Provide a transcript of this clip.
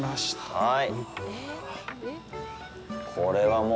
はい。